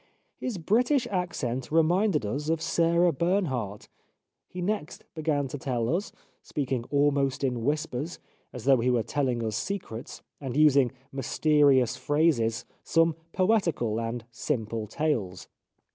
His British accent reminded us of Sarah Bernhardt. .., He next began to tell us, speaking almost in whispers, as though he were telling us secrets, and using mysterious phrases, some poetical and simple tales